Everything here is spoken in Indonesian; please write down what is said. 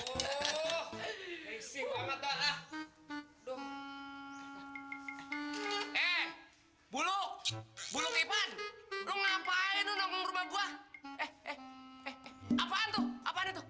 obak obat penyumbur rambut